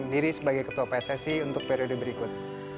diri sebagai ketua pssi untuk periode berikut